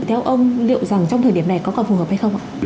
theo ông liệu rằng trong thời điểm này có còn phù hợp hay không ạ